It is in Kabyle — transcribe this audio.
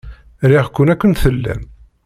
Riɣ-ken akken tellam.